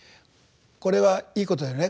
「これはいいことだよね。